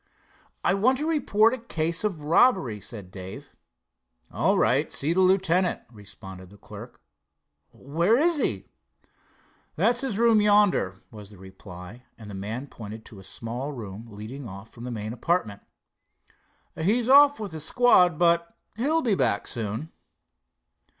"I want to report a case of robbery," said Dave. "All right, see the lieutenant," responded the clerk. "Where is he?" "That's his room yonder," was the reply, and the man pointed to a small room leading off from the main apartment. "He's off with a squad, but he'll be back soon."